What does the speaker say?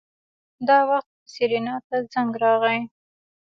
دا وخت سېرېنا ته زنګ راغی.